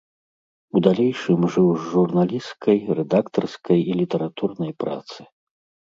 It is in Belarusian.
У далейшым жыў з журналісцкай, рэдактарскай і літаратурнай працы.